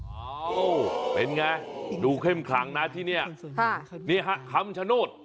อ้าวเป็นไงดูเข้มขลังนะที่นี่นี่ฮะคำชโนธ